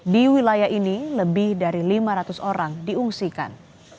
di wilayah ini lebih dari lima ratus orang diungsikan